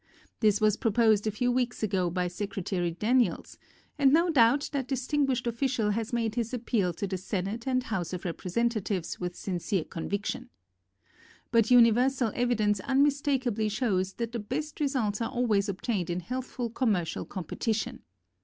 This was proposed a few weeks ago by Secretary Daniels, and no doubt that distinguished official has made his appeal to the Senate and House of Rep resentatives with sincere conviction. But universal evidence unmistakably shows that the best results are always obtained in healthful commercial competition.